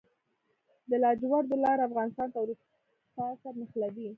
د لاجوردو لاره افغانستان له اروپا سره نښلوي